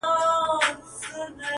باڼه به مي په نيمه شپه و لار ته ور وړم-